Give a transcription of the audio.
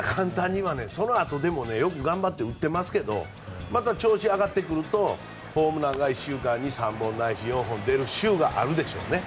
でも、そのあとよく頑張って打っていますけどまた調子が上がってくるとホームランが１週間に３本ないし４本出る週があるでしょうね。